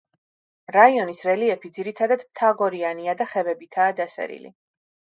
რაიონის რელიეფი ძირითადად მთაგორიანია და ხევებითაა დასერილი.